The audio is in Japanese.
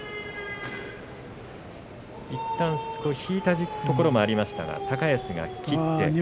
いったん引いたところもありましたが高安が切って。